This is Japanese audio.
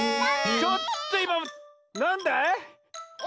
ちょっといまなんだい？え？